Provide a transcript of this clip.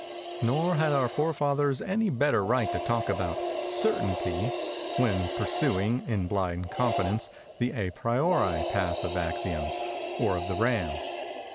"Nor had our forefathers any better right to talk about certainty, when pursuing, in blind confidence, the à priori path of axioms, or of the Ram.